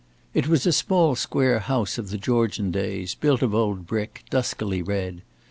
It was a small square house of the Georgian days, built of old brick, duskily red.